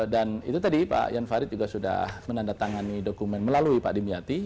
dan itu tadi pak ian farid juga sudah menandatangani dokumen melalui pak dimyati